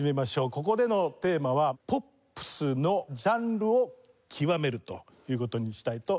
ここでのテーマは「ポップスのジャンルを極める」という事にしたいと思います。